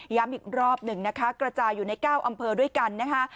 อีกรอบหนึ่งนะคะกระจายอยู่ใน๙อำเภอด้วยกันนะคะ